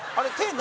何？